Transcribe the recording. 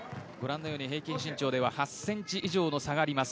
平均身長では８ｃｍ以上の差があります。